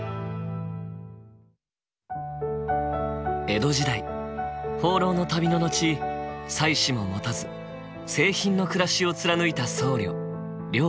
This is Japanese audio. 江戸時代放浪の旅の後妻子も持たず清貧の暮らしを貫いた僧侶良寛。